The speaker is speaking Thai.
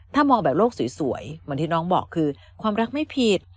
ถ้ามองแบบโลกสวยเหมือนที่น้องบอกคือความรักไม่ผิด